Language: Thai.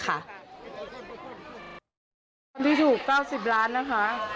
ความที่ถูก๙๐ล้านบาทนะคะ